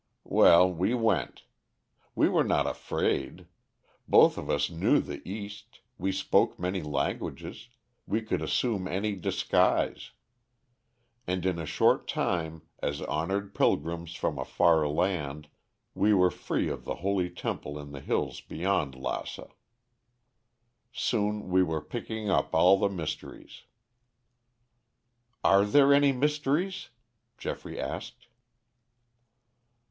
"Well, we went. We were not afraid. Both of us knew the East, we spoke many languages, we could assume any disguise. And in a short time, as honored pilgrims from a far land, we were free of the holy temple in the hills beyond Lassa. Soon we were picking up all the mysteries." "Are there any mysteries?" Geoffrey asked.